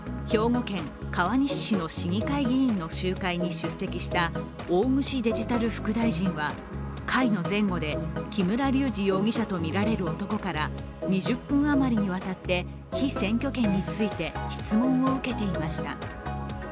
出席した大串デジタル副大臣は会の前後で木村隆二容疑者とみられる男から２０分余りにわたって被選挙権について質問を受けていました。